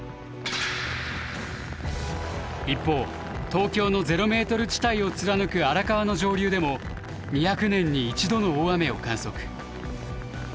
一方東京のゼロメートル地帯を貫く荒川の上流でも２００年に１度の大雨を観測。